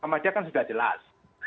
sama dia kan sudah jelas